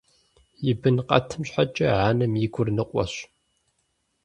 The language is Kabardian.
И бын къэтым щхьэкӀэ анэм и гур ныкъуэщ.